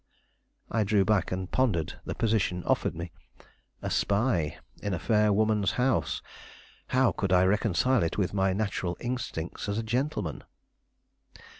I drew back and pondered the position offered me. A spy in a fair woman's house! How could I reconcile it with my natural instincts as a gentleman?